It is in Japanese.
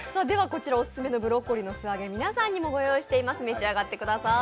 こちらオススメのブロッコリーの素揚げ、皆さんにもご用意していますので、召し上がってください。